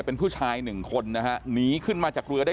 พี่บูรำนี้ลงมาแล้ว